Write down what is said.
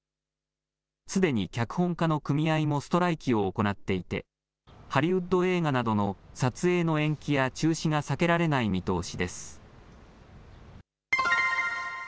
すでに脚本家の組合もストライキを行っていてハリウッド映画などの撮影の延期や中止が避けられない見通しです。